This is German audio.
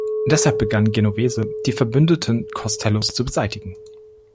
Deshalb begann Genovese, die Verbündeten Costellos zu beseitigen.